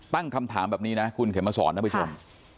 ตั้งคำถามแบบนี้นะคุณเข็มมาสอนท่านผู้ชม